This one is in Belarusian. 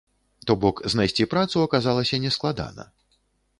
То бок знайсці працу аказалася нескладана.